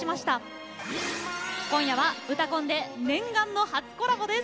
今夜は「うたコン」で念願の初コラボです。